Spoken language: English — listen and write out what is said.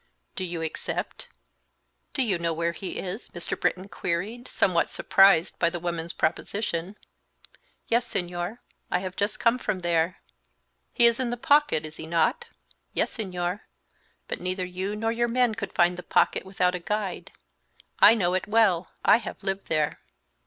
Do you accept?" "Do you know where he is?" Mr. Britton queried, somewhat surprised by the woman's proposition. "Yes, Señor; I have just come from there." "He is in the Pocket, is he not?" "Yes, Señor, but neither you nor your men could find the Pocket without a guide. I know it well; I have lived there."